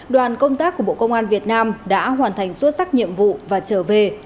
đoàn công tác của bộ công an việt nam đã hoàn thành xuất sắc nhiệm vụ và trở về